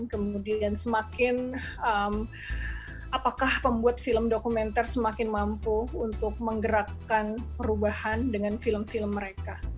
kemudian semakin apakah pembuat film dokumenter semakin mampu untuk menggerakkan perubahan dengan film film mereka